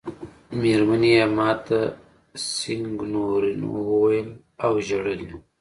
مېرمنې یې ما ته سېګنورینو وویل او ژړل یې.